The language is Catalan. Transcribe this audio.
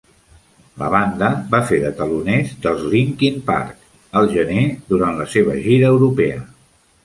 La banda va fer de teloners dels Linkin Park el gener durant la seva gira europea.